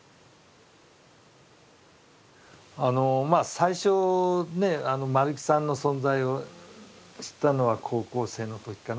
最初ね丸木さんの存在を知ったのは高校生の時かな。